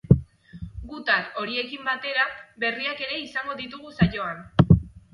Gutar horiekin batera, berriak ere izango ditugu saioan.